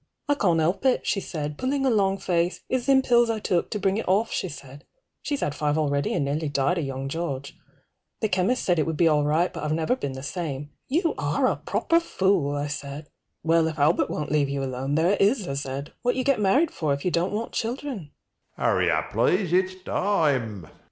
I can't help it, she said, pulling a long face, It's them pills I took, to bring it off, she said. (She's had five already, and nearly died of young George.) 160 The chemist said it would be all right, but I've never been the same. You are a proper fool, I said. Well, if Albert won't leave you alone, there it is, I said, What you get married for if you don't want children?